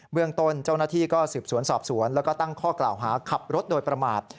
เมืองต้นเจ้าหน้าที่ก็สืบสวนสอบสวนแล้วก็ตั้งข้อกล่าวหาขับรถโดยประมาท